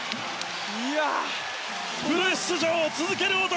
フル出場を続ける男